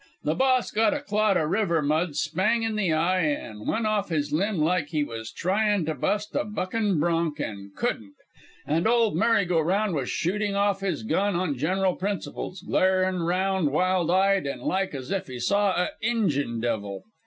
The Boss got a clod o' river mud spang in the eye, an' went off his limb like's he was trying to bust a bucking bronc' an' couldn't; and ol' Mary go round was shooting off his gun on general principles, glarin' round wild eyed an' like as if he saw a' Injun devil.